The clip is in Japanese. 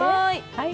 はい。